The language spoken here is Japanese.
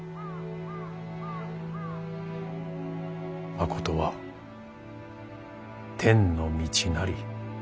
「誠は天の道なり」。